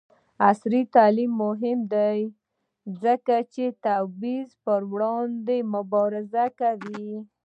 عصري تعلیم مهم دی ځکه چې د تبعیض پر وړاندې مبارزه کوي.